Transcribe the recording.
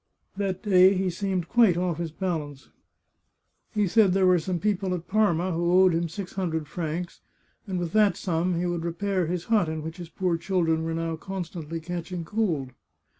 That day he seemed quite off his balance. He said there were some people at Parma who owed him six hundred francs, and with that sum he would repair his hut, in which his poor children were now constantly catching cold.